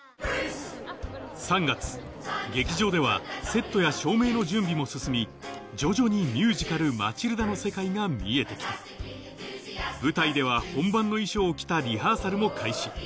３月劇場ではセットや照明の準備も進み徐々にミュージカル『マチルダ』の世界が見えてきた舞台では本番の衣装を着たリハーサルも開始